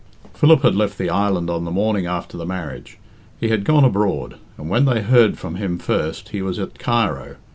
Philip had left the island on the morning after the marriage. He had gone abroad, and when they heard from him first he was at Cairo.